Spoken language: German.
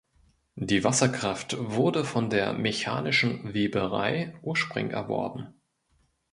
Die Wasserkraft wurde von der Mechanischen Weberei Urspring erworben.